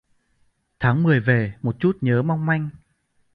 Tháng Mười về, một chút nhớ mong manh